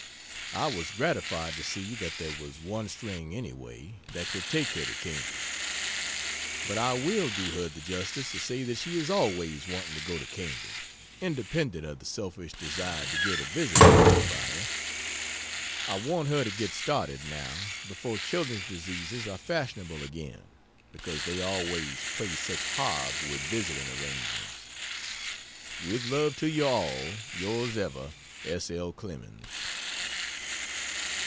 I was gratified to see that there was one string, anyway, that could take her to Cambridge. But I will do her the justice to say that she is always wanting to go to Cambridge, independent of the selfish desire to get a visit out of you by it. I want her to get started, now, before children's diseases are fashionable again, because they always play such hob with visiting arrangements. With love to you all Yrs Ever S. L. CLEMENS.